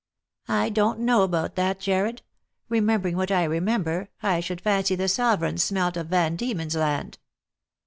" I don't know about that, Jarred ; remembering what I re member, I should fancy the sovereigns smelt of Van Diemen's Land."